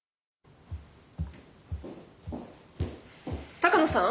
鷹野さん？